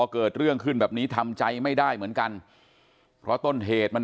เกิดเรื่องขึ้นแบบนี้ทำใจไม่ได้เหมือนกันเพราะต้นเหตุมัน